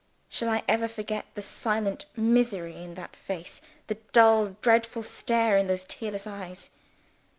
Shall I ever forget the silent misery in that face, the dull dreadful stare in those tearless eyes?